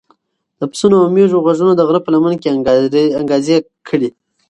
د پسونو او مېږو غږونه د غره په لمنه کې انګازې کړې.